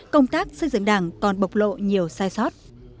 công tác xây dựng đảng còn bộc lộ nhiều sai sót